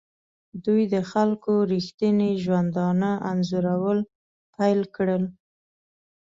دوی د خلکو ریښتیني ژوندانه انځورول پیل کړل.